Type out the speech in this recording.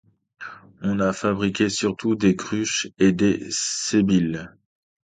On y fabriquait surtout des cruches et des sébiles.